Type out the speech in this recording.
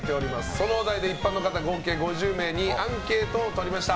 そのお題で一般の方、計５０人にアンケートを取りました。